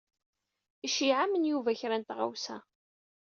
Iceyyeɛ-am-n Yuba kra n tɣawsa.